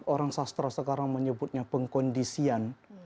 orang sastra sekarang menyebutnya pengkondisian